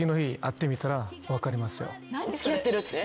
付き合ってるって？